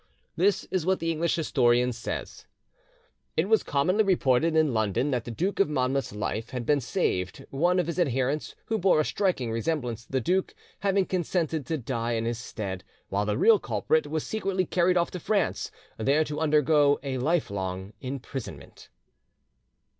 This is what the English historian says: "It was commonly reported in London that the Duke of Monmouth's life had been saved, one of his adherents who bore a striking resemblance to the duke having consented to die in his stead, while the real culprit was secretly carried off to France, there to undergo a lifelong imprisonment."